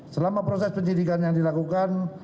selama proses penyidikan yang dilakukan